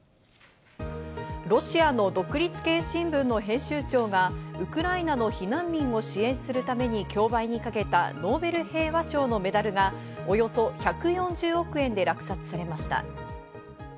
ロシアの独立系新聞の編集長がウクライナの避難民を支援するために競売にかけた、ノーベル平和賞のメダルがおよそ１４０億円で落札されました。